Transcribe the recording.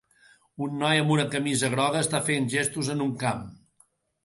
Un noi amb una camisa groga està fent gestos en un camp.